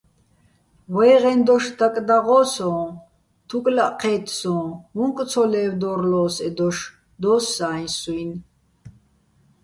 ვაჲღეჼ დოშ დაკდა́ღო სოჼ: თუკლაჸ ჴე́თ სოჼ, უ̂ნკ ცო ლე́ვდორლო́ს ე დოშ - დო́ს სა́ისუჲნი̆.